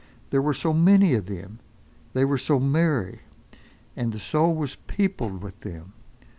There were so many of them, they were so merry, and the soul was peopled with them.